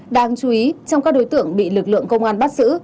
đáng chú ý trong các đối tượng bị lực lượng công an bắt giữ